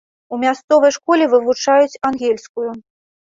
У мясцовай школе вывучаюць ангельскую.